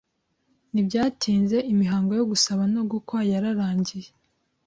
Ntibyatinze imihango yo gusaba no gukwa yararangiye